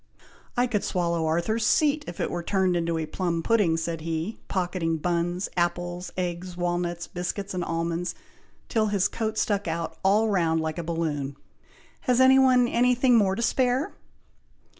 "I could swallow Arthur's Seat if it were turned into a plum pudding," said he, pocketing buns, apples, eggs, walnuts, biscuits, and almonds, till his coat stuck out all round like a balloon. "Has any one any thing more to spare?"